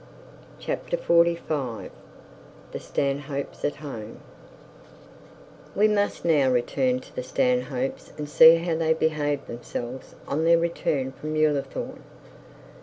CHAPTER XLV THE STANHOPES AT HOME We must now return to the Stanhopes, and see how they behaved themselves on their return from Ullathorne.